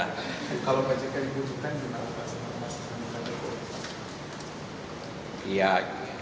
kalau baju kali butuhkan gimana bangsa bangsa yang diperlukan